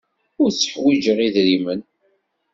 Ur tteḥwijiɣ idrimen.